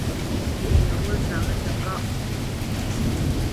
Pyeʼ yé yegho nzáŋə təŋgáʼ.